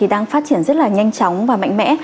đang phát triển rất là nhanh chóng và mạnh mẽ